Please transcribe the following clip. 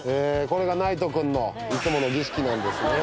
これがナイトくんのいつもの儀式なんですね